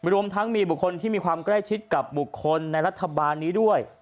รวมทั้งมีบุคคลที่มีความใกล้ชิดกับบุคคลในรัฐบาลนี้ด้วย